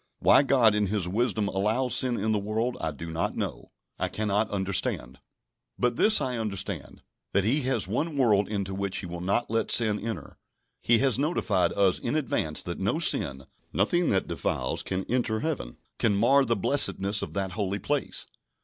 Why God in His wisdom allows sin in the world, I do not know, I cannot understand. But this I understand: that He has one world into which He will not let sin enter. He has notified us in advance that no sin, nothing that defiles, can enter Heaven, can mar the blessedness of that holy place.